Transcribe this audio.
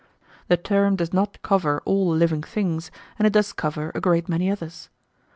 The term does not cover all living things, and it does cover a great many others.